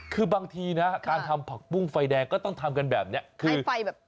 คือบางทีนะการทำผักปุ้งไฟแดงก็ต้องทำกันแบบนี้